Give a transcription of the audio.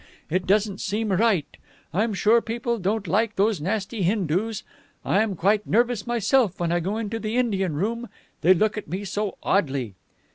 It doesn't seem right. I'm sure people don't like those nasty Hindoos. I am quite nervous myself when I go into the Indian room. They look at me so oddly."